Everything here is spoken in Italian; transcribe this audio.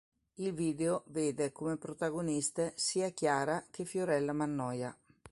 Il video vede come protagoniste sia Chiara che Fiorella Mannoia.